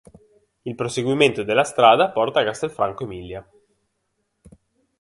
Il proseguimento della strada porta a Castelfranco Emilia.